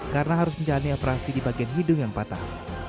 karena harus menjalani operasi di bagian hidung yang patah